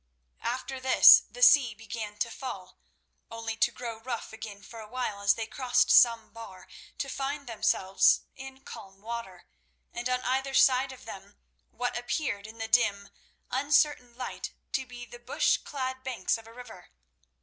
After this the sea began to fall, only to grow rough again for a while as they crossed some bar, to find themselves in calm water, and on either side of them what appeared in the dim, uncertain light to be the bush clad banks of a river.